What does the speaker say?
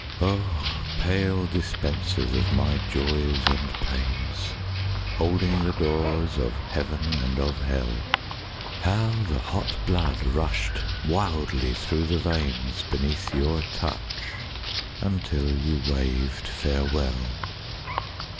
Oh, pale dispensers of my Joys and Pains, Holding the doors of Heaven and of Hell, How the hot blood rushed wildly through the veins Beneath your touch, until you waved farewell.